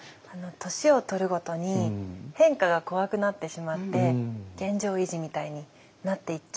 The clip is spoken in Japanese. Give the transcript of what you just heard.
年を取るごとに変化が怖くなってしまって現状維持みたいになっていっちゃうんですよね。